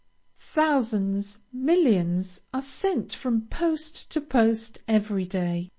Thousands, millions are sent from post to post every day.